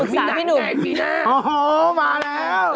ฝึกษาพี่หนุ่มโอ้โฮมาแล้ว